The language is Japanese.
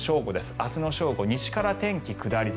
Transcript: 明日の正午西から天気下り坂。